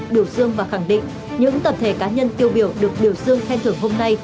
biểu dương và khẳng định những tập thể cá nhân tiêu biểu được biểu dương khen thưởng hôm nay